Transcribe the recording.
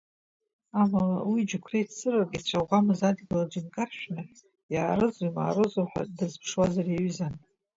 Амала уи џьқәреи цырак, ицәаӷәамыз адгьыл аҿы инкаршәны, иаарызу имаарызу ҳәа дазԥшуазар иаҩызан.